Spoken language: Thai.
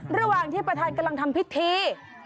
ระหว่างที่ประธานกำลังทำพิธี